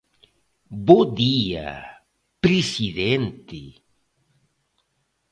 Bo día, presidente.